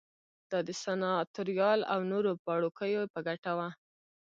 دا د سناتوریال او نورو پاړوکیو په ګټه وه